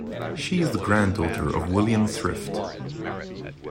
She is the granddaughter of William Thrift.